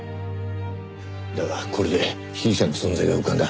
だがこれで被疑者の存在が浮かんだ。